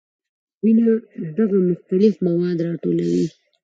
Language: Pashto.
وینه دغه مختلف مواد راټولوي.